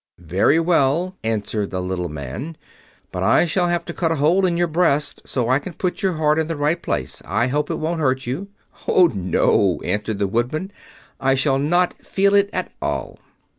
"Very well," answered the little man. "But I shall have to cut a hole in your breast, so I can put your heart in the right place. I hope it won't hurt you." "Oh, no," answered the Woodman. "I shall not feel it at all."